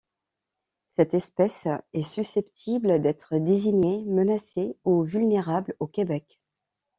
Cette espèce est susceptible d'être désignée menacée ou vulnérable au Québec.